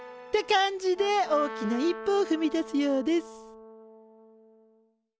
って感じで大きな一歩をふみ出すようです。